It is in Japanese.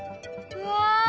うわ